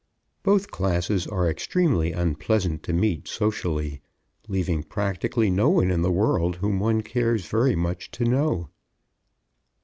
Both classes are extremely unpleasant to meet socially, leaving practically no one in the world whom one cares very much to know.